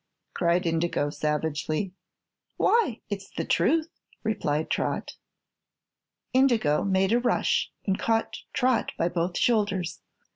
cried Indigo, savagely. "Why, it's the truth," replied Trot. Indigo made a rush and caught Trot by both shoulders.